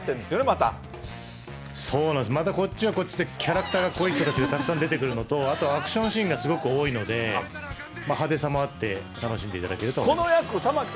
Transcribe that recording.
またこっちはこっちでキャラクターが濃い人たちがたくさん出てくるのと、あとアクションシーンがすごく多いので、派手さもあって、楽しんでいただけると思います。